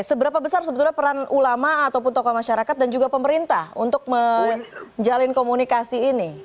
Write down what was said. seberapa besar sebetulnya peran ulama ataupun tokoh masyarakat dan juga pemerintah untuk menjalin komunikasi ini